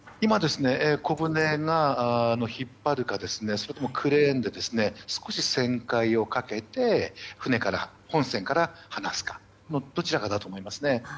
小船が引っ張るかそれともクレーンで少し旋回をかけて本船から離すかのどちらかだと思います。